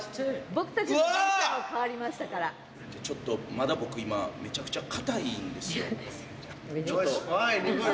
まだめちゃくちゃ僕硬いんですよ。